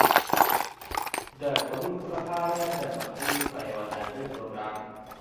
ده کوونکو لپاره د پخلي په یوه ځانګړي پروګرام